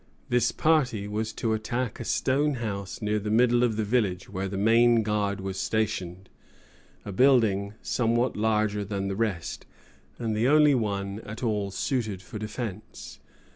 This party was to attack a stone house near the middle of the village, where the main guard was stationed, a building somewhat larger than the rest, and the only one at all suited for defence.